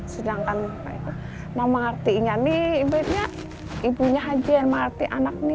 sedangkan nah mengerti ini ibu nya aja yang mengerti anak ini